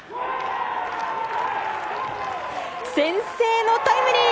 先制のタイムリー！